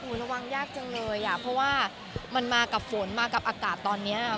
ระวังยากจังเลยอ่ะเพราะว่ามันมากับฝนมากับอากาศตอนเนี้ย